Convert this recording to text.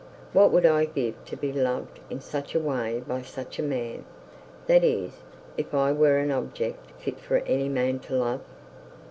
What would I not give to be loved in such a way by such a man, that is, if I were an object for any man to love!'